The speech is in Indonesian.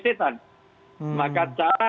setan maka cara